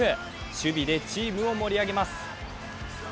守備でチームを盛り上げます。